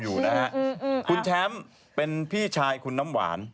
คุณแชมป์เป็นพี่ชายคุณน้ำหวาน